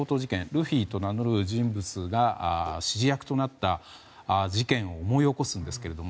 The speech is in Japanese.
ルフィと名乗る人物が指示役となった事件を思い起こすんですけれども。